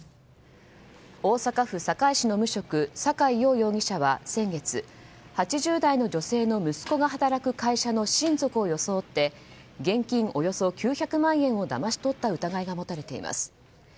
大阪府堺市の無職阪井耀容疑者は先月８０代の女性の息子が働く会社の親族を装って現金およそ９００万円をだまし取った疑いが持たれています。